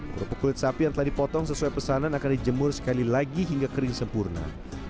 kerupuk kulit sapi yang telah dipotong sesuai pesanan akan dijemur sekali lagi hingga kering sempurna